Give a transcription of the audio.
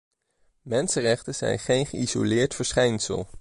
Mensenrechten zijn geen geïsoleerd verschijnsel.